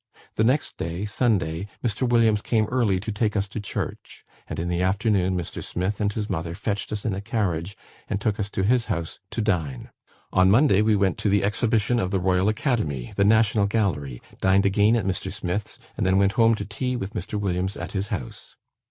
The next day, Sunday, Mr. Williams came early to take us to church; and in the afternoon Mr. Smith and his mother fetched us in a carriage, and took us to his house to dine. "On Monday we went to the Exhibition of the Royal Academy, the National Gallery, dined again at Mr. Smith's, and then went home to tea with Mr. Williams at his house.